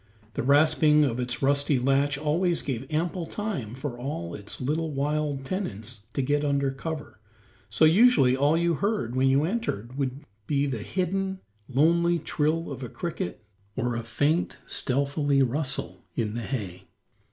The rasping of its rusty latch always gave ample time for all its little wild tenants to get under cover, so usually all you heard when you entered would be the hidden, lonely trill of a cricket or a faint, stealthily rustle in the hay.